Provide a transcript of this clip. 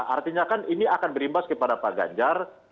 artinya kan ini akan berimbas kepada pak ganjar